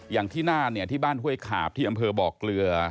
อย่างที่น่านที่บ้านห้วยขาบที่อำเภอบอกเกลือ